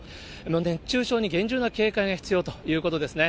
熱中症に厳重な警戒が必要ということですね。